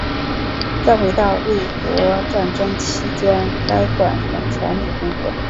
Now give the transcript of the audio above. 在伟大卫国战争期间该馆仍全力工作。